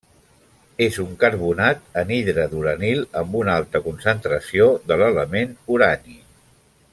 És un carbonat anhidre d'uranil, amb una alta concentració de l'element urani.